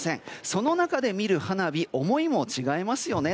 その中で見る花火思いも違いますよね。